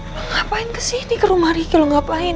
lo ngapain kesini ke rumah riki lo ngapain